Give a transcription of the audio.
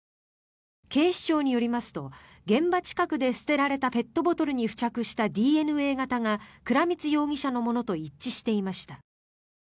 警視庁によりますと現場近くで捨てられたペットボトルに付着したＤＮＡ型が倉光容疑者のものと一致していました。